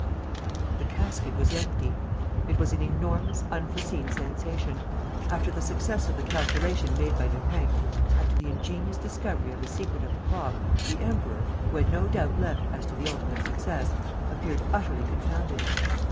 _ The casket was empty. It was an enormous, unforeseen sensation. After the success of the calculation made by Lupin, after the ingenious discovery of the secret of the clock, the Emperor, who had no doubt left as to the ultimate success, appeared utterly confounded.